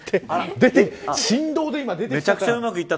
振動で今、出てきちゃった。